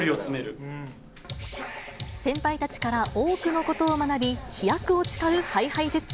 先輩たちから多くのことを学び、飛躍を誓うＨｉＨｉＪｅｔｓ。